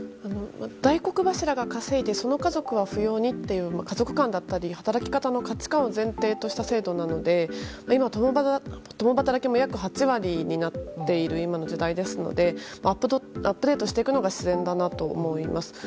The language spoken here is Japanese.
大黒柱が稼いでその家族は扶養にという家族感だったり働き方に価値観を前提とした制度なので共働きも約８割になっている今の時代ですのでアップデートしていくのが自然だなと思います。